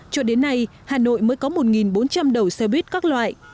cho đến nay hà nội mới có một bốn trăm linh đầu xe buýt các loại